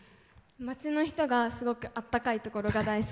街の人があったかいところが大好き。